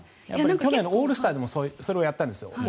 オールスターでもそれをやったんですよ。